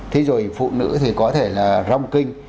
thế rồi phụ nữ thì có thể là rong kinh